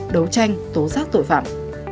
đấu tranh tố giác tội phạm